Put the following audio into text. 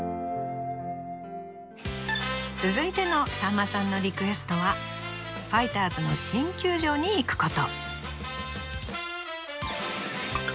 続いてのさんまさんのリクエストはファイターズの新球場に行くこと。